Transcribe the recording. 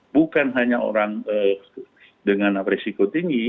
bukan hanya orang dengan risiko tinggi